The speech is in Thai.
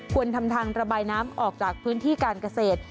ควรทำทางระบายน้ำออกจากพื้นที่การเกษตร